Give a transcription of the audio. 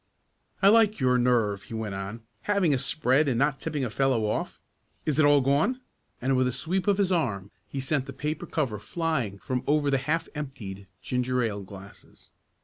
"I like your nerve!" he went on. "Having a spread and not tipping a fellow off. Is it all gone?" and with a sweep of his arm he sent the paper cover flying from over the half emptied ginger ale glasses.